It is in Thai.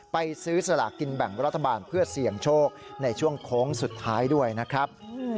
ไปซื้อสลากกินแบ่งรัฐบาลเพื่อเสี่ยงโชคในช่วงโค้งสุดท้ายด้วยนะครับ